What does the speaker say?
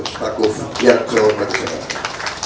setakuf yang saya hormati dan saya muliakan